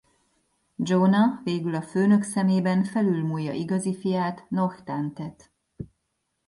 Jonah végül a főnök szemében felülmúlja igazi fiát Noh-Tantet.